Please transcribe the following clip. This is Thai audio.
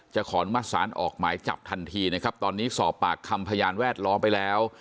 ขออนุมัติศาลออกหมายจับทันทีนะครับตอนนี้สอบปากคำพยานแวดล้อมไปแล้ว